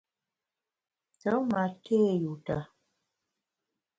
Te ma té yuta.